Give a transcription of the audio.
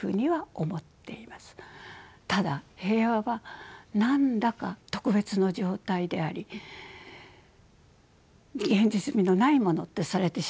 ただ「平和」は何だか特別の状態であり現実味のないものとされてしまっては意味がありません。